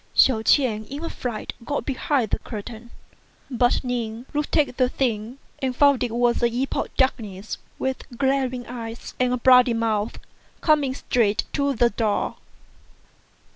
Hsiao ch'ien in a fright got behind the curtain; but Ning looked at the thing, and fou id it was an imp of darkness, with glaring eyes and a b'oody mouth, coming straight to the door.